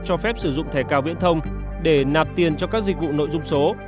cho phép sử dụng thẻ cào viễn thông để nạp tiền cho các dịch vụ nội dung số